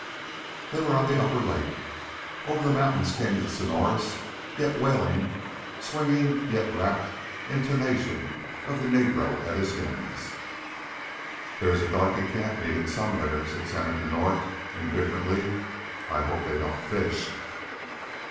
They were on the upper lake. Over the mountains came the sonorous yet wailing, swinging yet rapt, intonation of the negro at his hymns. "There is a darky camp meeting somewhere," said Senator North, indifferently. "I hope they don't fish."